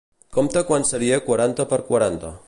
Compta quant seria quaranta per quaranta.